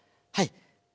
はい。